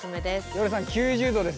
ヨルさん９０度です。